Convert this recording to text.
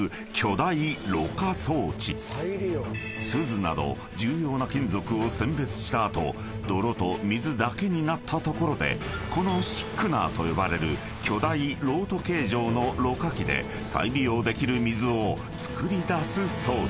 ［錫など重要な金属を選別した後泥と水だけになったところでこのシックナーと呼ばれる巨大漏斗形状のろ過機で再利用できる水をつくり出す装置］